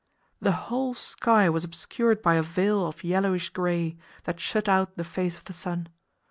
The whole sky was obscured by a veil of yellowish grey, that shut out the face of the sun.